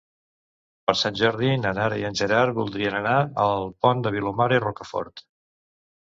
Per Sant Jordi na Nara i en Gerard voldrien anar al Pont de Vilomara i Rocafort.